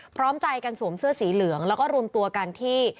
พร้อมใจกันสวมเสื้อสีเหลืองแล้วก็รวมตัวกันที่